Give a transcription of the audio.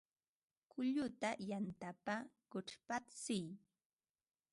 Kulluta yantapa kuchpatsiy